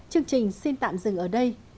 chương trình xin tạm dừng ở đây